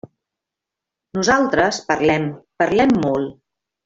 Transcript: Nosaltres parlem, parlem molt.